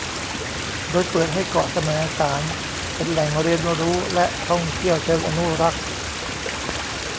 โดยเปิดให้เกาะแสมสารเป็นแหล่งเรียนรู้และท่องเที่ยวเชิงอนุรักษ์